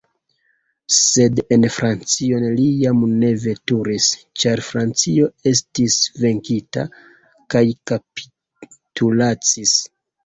Sed en Francion li jam ne veturis, ĉar Francio estis venkita kaj kapitulacis.